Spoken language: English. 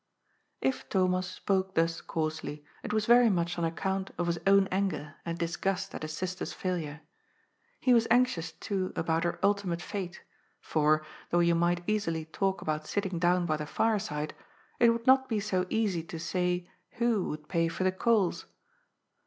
If Thomas spoke thus coarsely, it was very much on ac count of his own anger and disgust at his sister's failure. He was anxious, too, about her ultimate fate, for, though you might easily talk about sitting down by the fireside, it would not be so easy to say who would pay for coals.